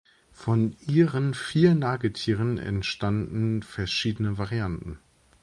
Von ihren vier Nagetieren entstanden verschiedene Varianten.